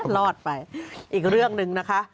รอดไปอีกเรื่องหนึ่งนะคะ